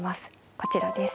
こちらです。